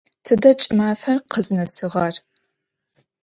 Тыда кӏымафэр къызнэсыгъэр?